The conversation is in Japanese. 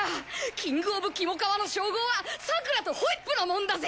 キングオブキモカワの称号はさくらとホイップのもんだぜ。